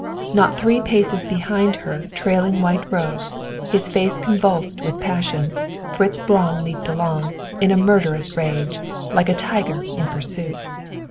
Not three paces behind her trailing white robes, his face convulsed with passion, Fritz Braun leaped along, in a murderous rage, like a tiger in pursuit.